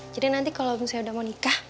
jadi nanti kalo misalnya udah mau nikah